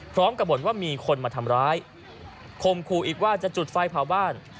พร้อมกับบ่นว่ามีคนมาทำร้ายคมคู่อีกว่าจะจุดไฟเผาบ้าน